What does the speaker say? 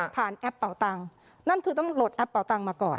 แอปเป่าตังค์นั่นคือต้องโหลดแอปเป่าตังมาก่อน